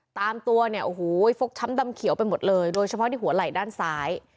ตามตัวเนี่ยโอ้โหฟกช้ำดำเขียวไปหมดเลยโดยเฉพาะที่หัวไหล่ด้านซ้าย